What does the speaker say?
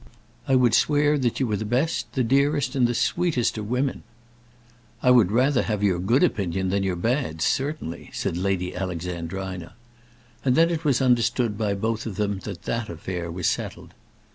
"I would swear that you were the best, the dearest, and the sweetest of women." "I would rather have your good opinion than your bad, certainly," said Lady Alexandrina. And then it was understood by both of them that that affair was settled.